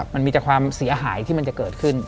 มันมีแต่ความเสียหายที่มันจะเกิดขึ้น